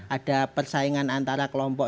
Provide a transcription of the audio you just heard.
ada persaingan antara kelompok